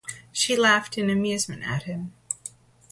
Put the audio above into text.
She laughed in amusement at him.